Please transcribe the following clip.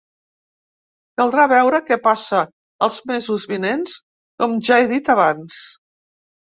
Caldrà veure què passa els mesos vinents, com ja he dit abans.